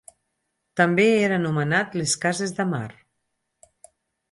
També era anomenat les Cases de Mar.